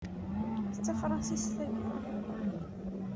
D tafṛansist tagi?